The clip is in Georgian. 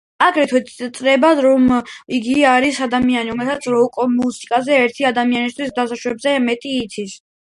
აგრეთვე წერენ, რომ იგი არის „ადამიანი, რომელმაც როკ-მუსიკაზე ერთი ადამიანისთვის დასაშვებზე მეტი იცის“.